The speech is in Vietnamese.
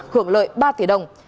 hưởng lợi ba tỷ đồng